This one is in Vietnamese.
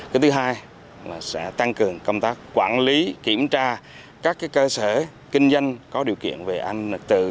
cái thứ hai là sẽ tăng cường công tác quản lý kiểm tra các cơ sở kinh doanh có điều kiện về an ninh tự